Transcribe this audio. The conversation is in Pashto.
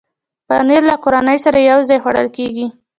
پنېر له کورنۍ سره یو ځای خوړل کېږي.